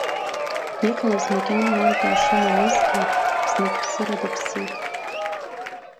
Иҟалаз макьана аилкаа шимамызгьы, зныкԥсыра дыԥсит.